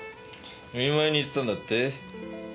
見舞いに行ってたんだって？